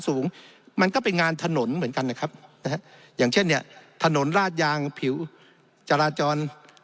สูงมันก็เป็นงานถนนเหมือนกันนะครับนะฮะอย่างเช่นเนี่ยถนนราดยางผิวจราจร